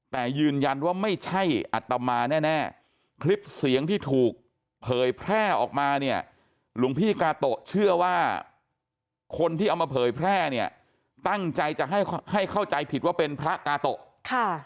แต่ยืนยันว่าไม่ใช่อัตมาแน่แน่คลิปเสียงที่ถูกเผยแพร่ออกมาเนี่ยหลวงพี่กาโตะเชื่อว่าคนที่เอามาเผยแพร่เนี่ยตั้งใจจะให้ให้เข้าใจผิดว่าเป็นพระกาโตะค่ะ